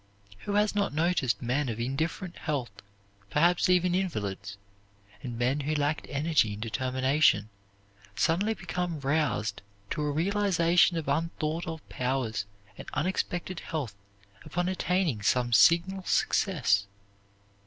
Who has not noticed men of indifferent health, perhaps even invalids, and men who lacked energy and determination, suddenly become roused to a realization of unthought of powers and unexpected health upon attaining some signal success?